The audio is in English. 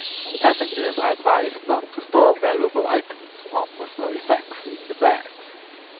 Passengers are advised not to store valuable items or personal effects in the bags.